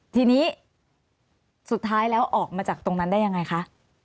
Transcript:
ทีนี้สุดท้ายแล้วออกมาจากตรงนั้นได้ยังไงคะ